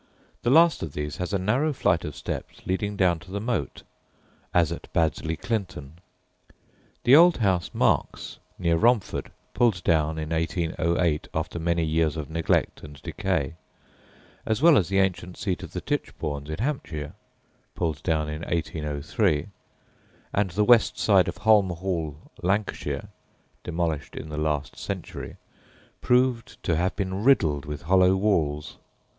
The last of these has a narrow flight of steps leading down to the moat, as at Baddesley Clinton. The old house Marks, near Romford, pulled down in 1808 after many years of neglect and decay as well as the ancient seat of the Tichbournes in Hampshire, pulled down in 1803 and the west side of Holme Hall, Lancashire, demolished in the last century, proved to have been riddled with hollow walls.